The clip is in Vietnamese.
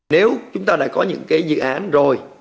nếu chúng ta lại có những cái dự án rồi